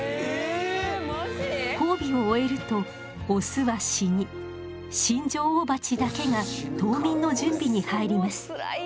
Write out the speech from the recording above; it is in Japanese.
交尾を終えるとオスは死に新女王蜂だけが冬眠の準備に入ります。